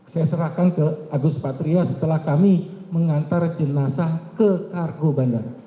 saya serahkan ke agus patria setelah kami mengantar jenazah ke kargo bandara